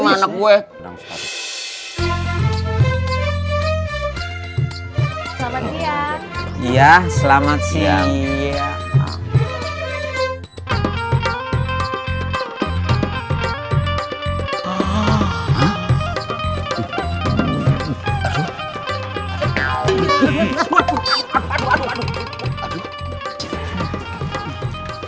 anak gue selamat siang iya selamat siang